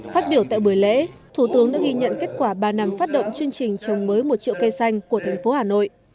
phát biểu tại buổi lễ thủ tướng đã ghi nhận kết quả ba năm phát động chương trình trồng mới một triệu cây xanh của thành phố hà nội